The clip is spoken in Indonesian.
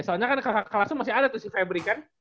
soalnya kan kelasnya masih ada tuh si febri kan